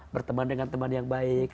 berteman dengan teman yang baik